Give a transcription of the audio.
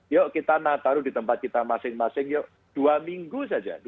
yuk kita nataru di tempat kita masing masing yuk dua minggu saja